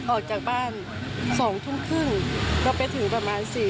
ออกจากบ้าน๒ทุ่มครึ่งก็ไปถึงประมาณ๔